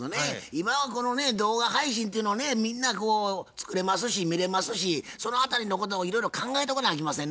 今はこのね動画配信っていうのをねみんな作れますし見れますしそのあたりのこともいろいろ考えておかなあきませんな。